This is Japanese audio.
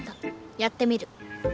やってみる。